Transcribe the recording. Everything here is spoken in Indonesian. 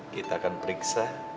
kita akan periksa